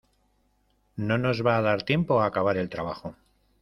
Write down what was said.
No nos va a dar tiempo a acabar el trabajo.